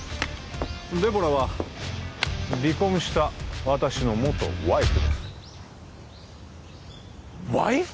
デボラは離婚した私の元ワイフですワイフ！？